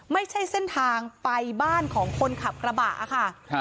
ไม่ใช่เส้นทางไปบ้านของคนขับกระบะค่ะ